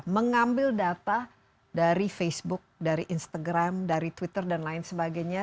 mengambil data dari facebook dari instagram dari twitter dan lain sebagainya